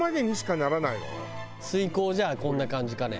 水耕じゃこんな感じかね。